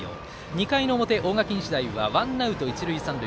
２回の表、大垣日大はワンアウト、一塁三塁。